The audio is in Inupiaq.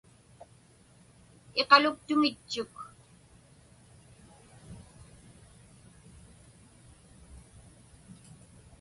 Iqaluktuŋitchuk.